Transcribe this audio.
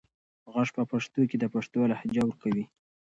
غږ په پښتو کې د پښتو لهجه ورکوي.